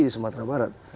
di sumatera barat